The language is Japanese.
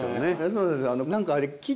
そうですね。